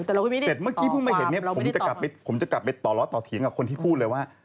แต่เมื่อกี้พึ่งไม่เห็นผมจะกลับไปต่อล้อต่อถีกกับคนที่พูดเลยว่า